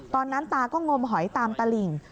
ตอนนั้นตาก็งมหอยตามตลิ่ง